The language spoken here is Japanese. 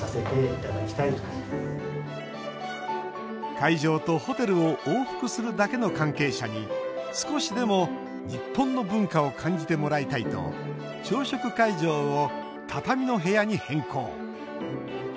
会場とホテルを往復するだけの関係者に少しでも日本の文化を感じてもらいたいと朝食会場を畳の部屋に変更。